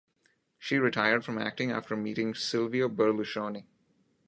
She retired from acting after meeting Silvio Berlusconi.